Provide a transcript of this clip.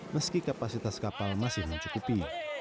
meski kapasitas kapal masih mencukupi